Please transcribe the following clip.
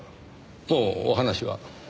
もうお話は？ええ。